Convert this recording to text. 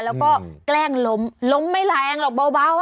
แล้วก็แกล้งล้มล้มไม่แรงหรอกเบา